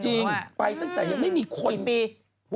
จริงไปตั้งแต่ยังไม่มีคนปี๖๖